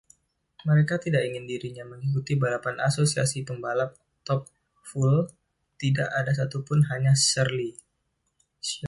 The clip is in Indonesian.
Mereka tidak ingin dirinya mengikuti balapan asosiasi pembalap, Top Fuel, tidak ada satupun...Hanya Shirley.